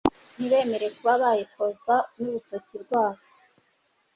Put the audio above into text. ntibemere kuba bayikozaho n urutoki rwabo